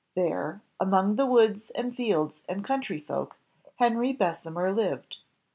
There, among the woods and fields and country folk, Henry Bessemer lived.